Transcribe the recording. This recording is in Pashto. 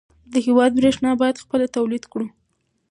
د هېواد برېښنا باید خپله تولید کړو.